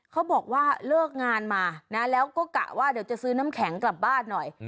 เขาบอกว่าเลิกงานมานะแล้วก็กะว่าเดี๋ยวจะซื้อน้ำแข็งกลับบ้านหน่อย